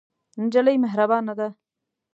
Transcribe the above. نجلۍ مهربانه ده.